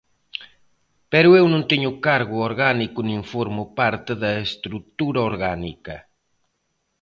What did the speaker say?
Pero eu non teño cargo orgánico nin formo parte da estrutura orgánica.